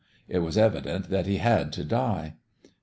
It was evident that he had to die.